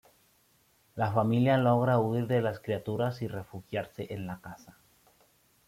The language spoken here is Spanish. La familia logra huir de las criaturas y refugiarse en la casa.